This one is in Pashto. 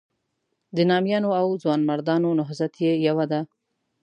د نامیانو او ځوانمردانو نهضت یې یوه ده.